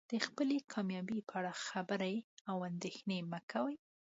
د خپلې کامیابۍ په اړه خبرې او اندیښنه مه کوئ.